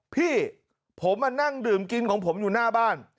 พี่ผมมานั่งดื่มกินของผมอยู่หน้าบ้าน